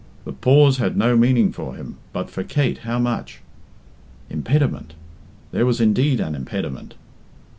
The pause had no meaning for him, but for Kate how much! Impediment! There was indeed an impediment.